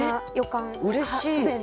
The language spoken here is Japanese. うれしい！